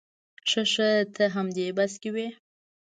ښه ښه ته همدې بس کې وې.